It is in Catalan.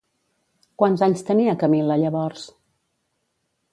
Quants anys tenia Camil·la llavors?